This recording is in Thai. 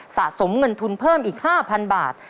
สะสมเงินทุนเพิ่มอีก๕๐๐๐บาท